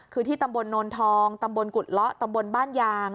คือที่ตำบลโนนทองตำบลกุฎเลาะตำบลบ้านยาง